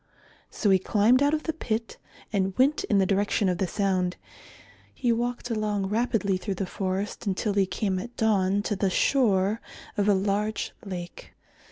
So he climbed out of the pit and went in the direction of the sound. He walked along rapidly through the forest until he came at dawn to the shore of a large lake.